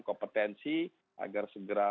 kompetensi agar segera